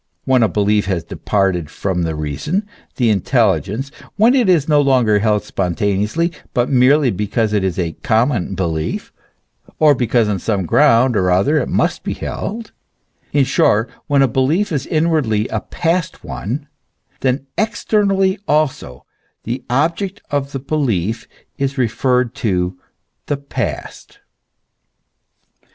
When a belief has departed from the reason, the intelligence, when it is no longer held spontaneously, but merely because it is a common belief, or because on some ground or other it must be held ; in short, when a belief is inwardly a past one ; then externally also the object of the belief is referred to the past.